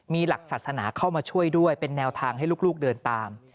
มีหลักศาสนาเข้ามาช่วยด้วยเป็นแนวทางให้ลูกเดินตาม